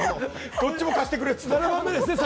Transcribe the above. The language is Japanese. どっちも貸してくれって。